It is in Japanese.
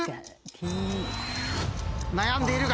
悩んでいるが。